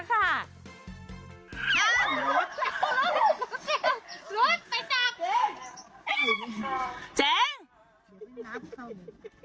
ลุดลุดลุดไปจับเจ๊ง